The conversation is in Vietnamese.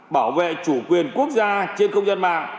bảo vệ chủ quyền quốc gia trên không gian mạng